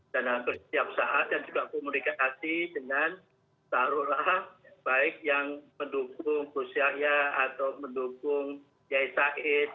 dan hampir setiap saat dan juga komunikasi dengan taruhlah baik yang mendukung gus yahya atau mendukung yai said